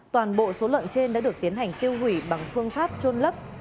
toàn bộ số lợn trên đã được tiến hành tiêu hủy bằng phương pháp trôn lấp